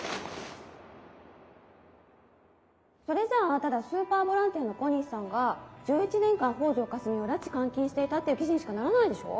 それじゃあただスーパーボランティアの小西さんが１１年間北條かすみを拉致監禁していたっていう記事にしかならないでしょ？